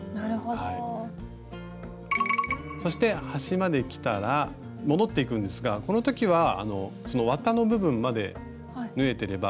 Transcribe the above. そして端まできたら戻っていくんですがこの時は綿の部分まで縫えてれば裏に出なくても大丈夫です。